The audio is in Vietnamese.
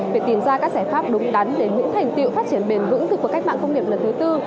việc tìm ra các giải pháp đúng đắn để những thành tiệu phát triển bền vững của cuộc cách mạng công nghiệp lần thứ tư